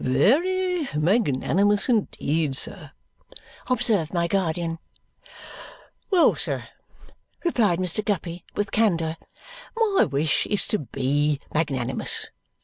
"Very magnanimous indeed, sir," observed my guardian. "Well, sir," replied Mr. Guppy with candour, "my wish is to BE magnanimous.